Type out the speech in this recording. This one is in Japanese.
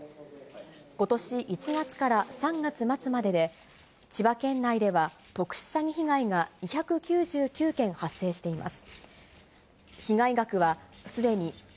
ことし１月から３月末までで、千葉県内では特殊詐欺被害が２９９件発生しています。